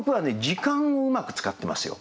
時間をうまく使ってますよ。